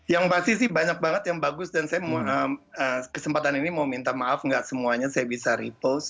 yang pasti sih banyak banget yang bagus dan saya kesempatan ini mau minta maaf nggak semuanya saya bisa repost